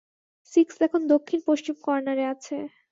Six এখন দক্ষিণ-পশ্চিম কর্ণারে আছে।